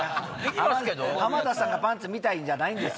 浜田さんがパンツ見たいんじゃないんです。